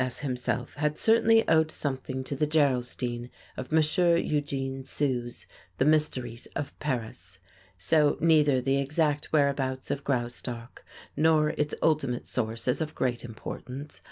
S. himself had certainly owed something to the Gerolstein of M. Eugène Sue's "The Mysteries of Paris." So neither the exact whereabouts of Graustark nor its ultimate source is of great importance.